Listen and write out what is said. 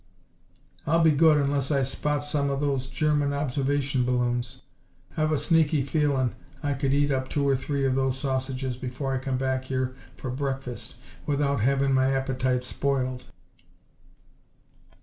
"I'll be good unless I spot some of those German observation balloons. I've a sneaky feelin' I could eat up two or three of those sausages before I come back here for breakfast without havin' my appetite spoiled."